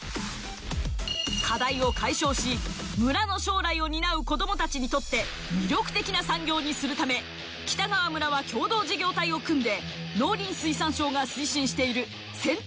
課題を解消し村の将来を担う子どもたちにとって魅力的な産業にするため北川村は共同事業体を組んで。